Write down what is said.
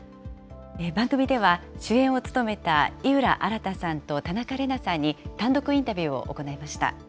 番組では、主演を務めた井浦新さんと田中麗奈さんに、単独インタビューを行いました。